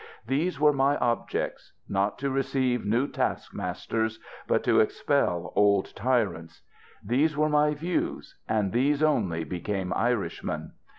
These were my objects; not to receive new task masters, but to expel old tyrants ; these were my views, and these only became Irishmen.